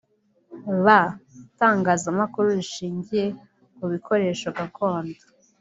b) Itangazamakuru rishingiye ku bikoresho gakondo